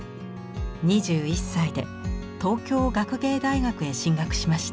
２１歳で東京学芸大学へ進学しました。